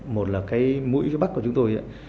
một là cái mũi phía bắc của chúng tôi